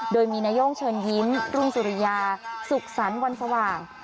โดยมีนาย่งเชิญยิ้มรุ่งสุริยาสุขสรรค์วันสว่าง